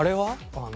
あの。